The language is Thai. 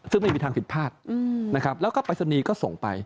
ซึ่งไม่มีทางผิดพลาดนะครับแล้วก็ปรายศนีย์ก็ส่งไป